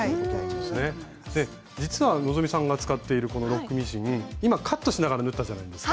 で実は希さんが使っているこのロックミシン今カットしながら縫ったじゃないですか。